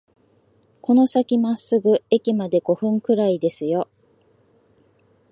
この先まっすぐ、駅まで五分くらいですよ